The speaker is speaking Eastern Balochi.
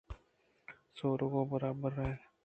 سُہرگ ءُبراہدارے اَت